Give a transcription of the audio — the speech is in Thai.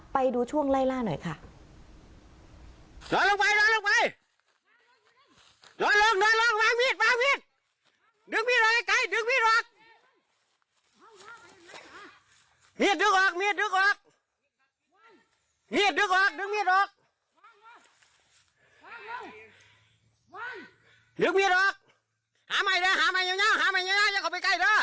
ไปดูช่วงไล่ล่าหน่อยค่ะ